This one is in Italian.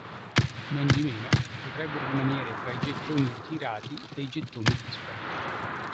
Nondimeno potrebbero rimanere tra i gettoni ritirati dei gettoni dispari.